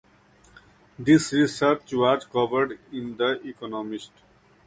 This research was covered in The Economist.